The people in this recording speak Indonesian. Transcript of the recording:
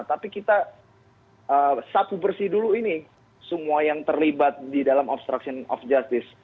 tapi kita sapu bersih dulu ini semua yang terlibat di dalam obstruction of justice